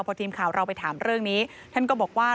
พอทีมข่าวเราไปถามเรื่องนี้ท่านก็บอกว่า